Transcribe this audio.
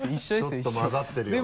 ちょっとまざってるよな。